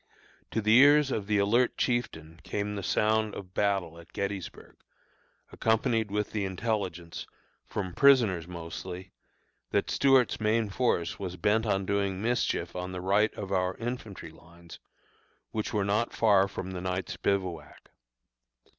To the ears of the alert chieftain came the sound of battle at Gettysburg, accompanied with the intelligence, from prisoners mostly, that Stuart's main force was bent on doing mischief on the right of our infantry lines, which were not far from the night's bivouac.